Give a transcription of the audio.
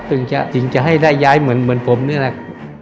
ถึงจะให้ได้ย้ายเหมือนผมนี่แหละ